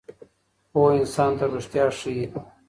پوهه انسان ته ریښتیا ښیي.